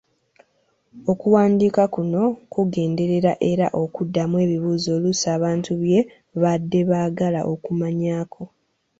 Okuwandiika kuno kugenderera era okuddamu ebibuuzo oluusi abantu bye badde baagala okumanyaako.